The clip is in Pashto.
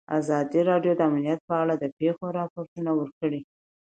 ازادي راډیو د امنیت په اړه د پېښو رپوټونه ورکړي.